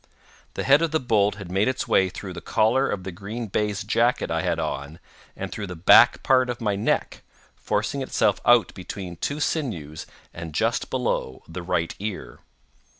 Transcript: The head of the bolt had made its way through the collar of the green baize jacket I had on, and through the back part of my neck, forcing itself out between two sinews and just below the right ear.